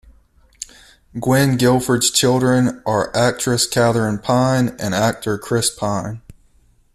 Gwynne Gilford's children are actress Katherine Pine and actor Chris Pine.